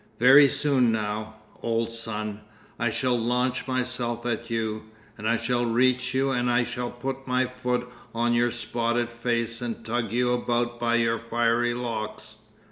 Very soon now, old Sun, I shall launch myself at you, and I shall reach you and I shall put my foot on your spotted face and tug you about by your fiery locks.